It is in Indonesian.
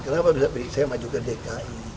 kenapa bisa pilih saya maju ke dki